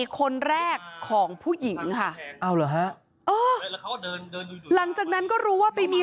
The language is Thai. คนแรกของผู้หญิงค่ะเอาเหรอฮะหลังจากนั้นก็รู้ว่าไปมี